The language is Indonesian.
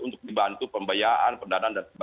untuk dibantu pembayaan pendanaan